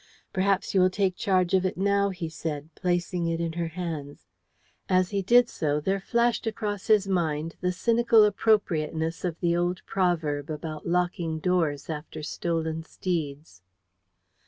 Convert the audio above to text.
"Perhaps you will take charge of it now," he said, placing it in her hands. As he did so there flashed across his mind the cynical appropriateness of the old proverb about locking doors after stolen steeds.